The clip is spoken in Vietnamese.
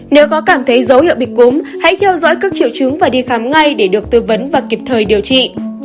nếu có cảm thấy dấu hiệu bị cúm hãy theo dõi các triệu chứng và đi khám ngay để được tư vấn và kịp thời điều trị